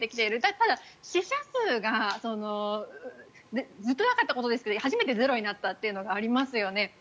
ただ、死者数がずっとなかったことですが初めてゼロになったというのがありましたよね。